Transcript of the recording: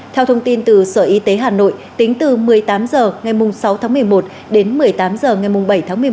theo thông tin từ sở y tế hà nội tính từ một mươi tám h ngày sáu tháng một mươi một đến một mươi tám h ngày bảy tháng một mươi một